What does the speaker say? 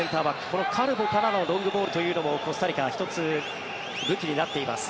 このカルボからのロングボールもコスタリカは１つ、武器になっています。